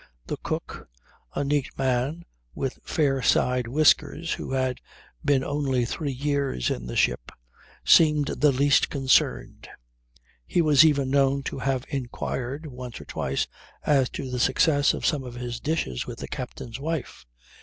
The cook, a neat man with fair side whiskers, who had been only three years in the ship, seemed the least concerned. He was even known to have inquired once or twice as to the success of some of his dishes with the captain's wife.